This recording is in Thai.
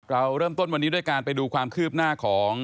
เราเริ่มต้นวันนี้ด้วยการไปดูความคืบหน้าของ